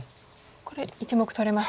これ１目取れます。